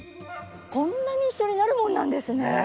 こんなに一緒になるもんなんですねぇ！